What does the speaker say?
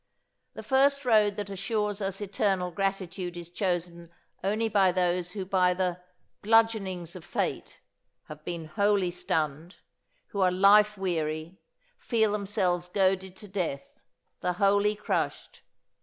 The first road that assures us eternal gratitude is chosen only by those who by the "bludgeonings of fate" have been wholly stunned, who are life weary, feel themselves goaded to death, the wholly crushed.